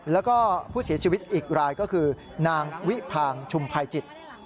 แล้วก็ผู้เสียชีวิตอีกรายก็คือนางวิพางชุมภัยจิต